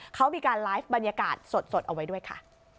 เขามีการไลฟ์บรรยากาศสดเอาไว้ด้วยค่ะ